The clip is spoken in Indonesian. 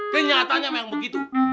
kenyataannya memang begitu